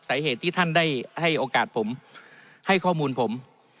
สาเหตุที่ท่านได้ให้โอกาสผมให้ข้อมูลผม